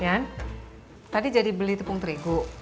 kan tadi jadi beli tepung terigu